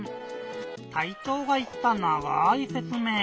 たいちょうがいったながいせつめい。